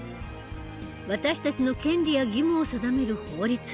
私たちの権利や義務を定める法律。